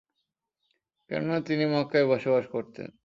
কেননা, তিনিই মক্কায় বসবাস করতেন।